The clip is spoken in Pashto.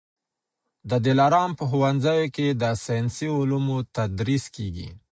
د دلارام په ښوونځیو کي د ساینسي علومو تدریس کېږي